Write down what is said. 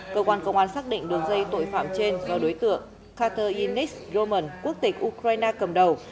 cơ quan công an xác định đường dây tội phạm trên do đối tượng carter inis roman quốc tịch ukraine cầm đầu